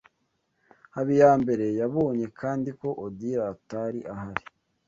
Habiyambere yabonye kandi ko Odile atari ahari.